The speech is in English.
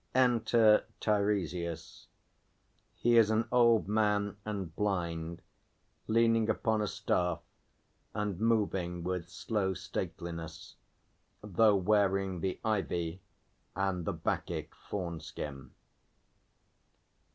Enter TEIRESIAS. _He is an old man and blind, leaning upon a staff and moving with slow stateliness, though wearing the Ivy and the Bacchic fawn skin.